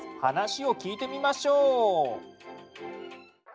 話を聞いてみましょう。